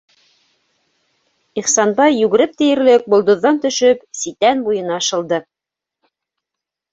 - Ихсанбай йүгереп тиерлек болдорҙан төшөп, ситән буйына шылды.